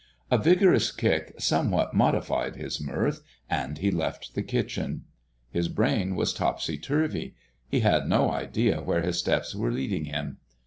A vigorous kick somewhat modified his mirth, and he left the kitchen. His brain was topsy turvy. He had no idea where his steps were leading him.